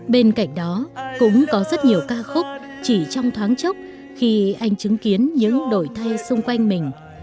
bên cạnh đó cũng có rất nhiều ca khúc chỉ trong thoáng chốc khi anh chứng kiến những đổi thay xung quanh mình